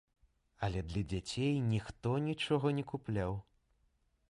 Але для дзяцей ніхто нічога не купляў.